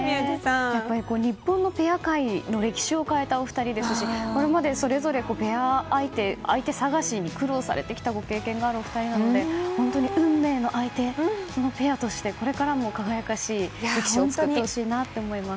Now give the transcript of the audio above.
やっぱり日本のペア界の歴史を変えたお二人ですしこれまでそれぞれペア相手探しに苦労されたご経験があるお二人なので運命の相手、ペアとしてこれからも輝かしい歴史を作ってほしいなと思います。